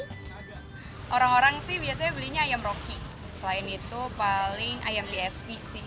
harganya murah terus enak